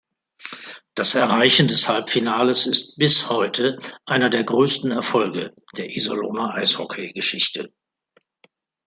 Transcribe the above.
Das Erreichen des Halbfinales ist bis heute einer der größten Erfolge der Iserlohner Eishockeygeschichte.